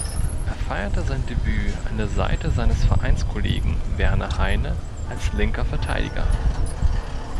Er feierte sein Debüt an der Seite seines Vereinskollegen Werner Heine als linker Verteidiger.